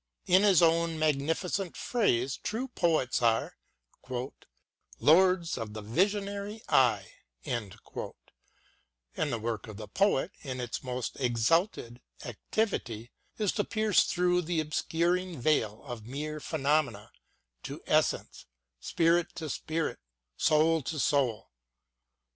In his own magnificent phrase, true poets are " lords of the visionary eye," and the work of the poet in its most exalted activity is to pierce through the obscuring veil of mere phenomena to essence, spirit to spirit, soul to soul.